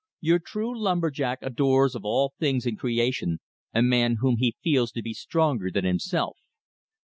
Your true lumber jack adores of all things in creation a man whom he feels to be stronger than himself.